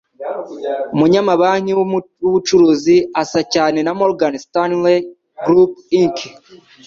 umunyamabanki wubucuruzi, asa cyane na Morgan Stanley Group Inc,